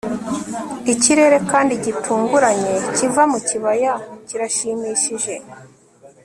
ikirere kandi gitunguranye kiva mu kibaya kirashimishije